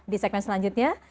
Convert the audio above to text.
di segmen selanjutnya